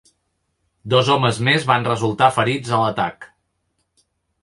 Dos homes més van resultar ferits a l'atac.